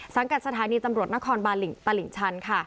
สังกัดสถานีตำรวจนครตลิงชัน